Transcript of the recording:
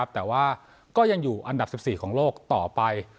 แต่ว่าก็ยังอยู่อันดับ๑๔ของโลกต่อไป